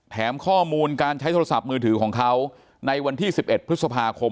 ข้อมูลการใช้โทรศัพท์มือถือของเขาในวันที่๑๑พฤษภาคม